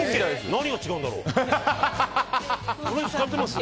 何が違うんだろう。